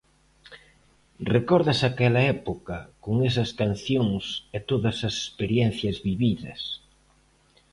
Recordas aquela época, con esas cancións e todas as experiencias vividas.